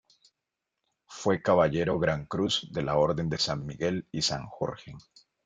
Fue caballero gran cruz de la Orden de San Miguel y San Jorge.